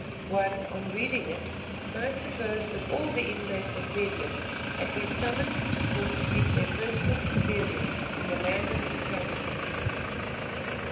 One, on reading it, might suppose that all the inmates of Bedlam had been summoned into court to give their personal experience in the land of insanity.